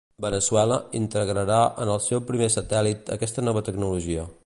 Veneçuela, integrarà en el seu primer satèl·lit aquesta nova tecnologia.